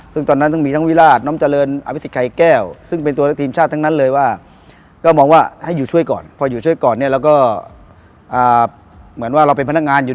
ซึ่งตอนนั้นต้องมีทั้งวิราชน้อจริงน้อมเจริญ